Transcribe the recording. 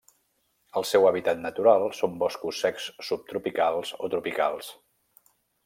El seu hàbitat natural són boscos secs subtropicals o tropicals.